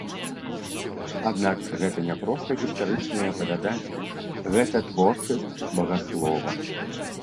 Аднак гэта не проста гістарычнае апавяданне, гэта творчасць багаслова.